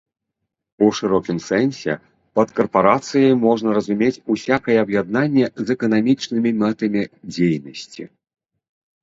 У шырокім сэнсе пад карпарацыяй можна разумець усякае аб'яднанне з эканамічнымі мэтамі дзейнасці.